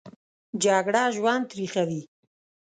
جګړه ژوند تریخوي